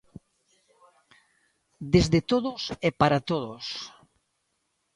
Desde todos e para todos.